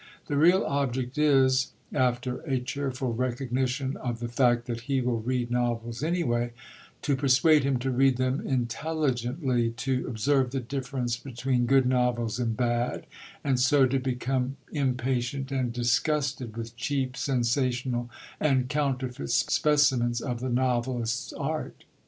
The real object is (after a cheerful recognition of the fact that he will read novels anyway) to persuade him to read them intelligently, to observe the difference between good novels and bad, and so to become impatient and disgusted with cheap, sensational, and counterfeit specimens of the novelist's art.